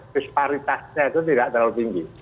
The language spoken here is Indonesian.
disparitasnya itu tidak terlalu tinggi